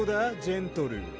ジェントルー